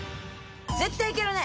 絶対いけるね。